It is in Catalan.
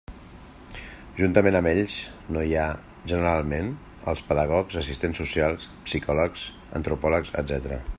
Juntament amb ells no hi ha, generalment, els pedagogs, assistents socials, psicòlegs, antropòlegs, etc.